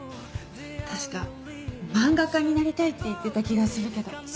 確か漫画家になりたいって言ってた気がするけど。